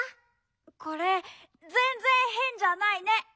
これぜんぜんへんじゃないね。